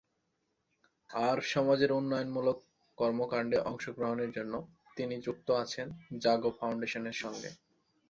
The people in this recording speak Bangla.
আর সমাজের উন্নয়ন মূলক কর্মকান্ডে অংশ গ্রহণের জন্য তিনি যুক্ত আছেন ‘জাগো ফাউন্ডেশনের’ সঙ্গে।